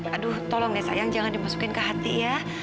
aduh tolong deh sayang jangan dimasukin ke hati ya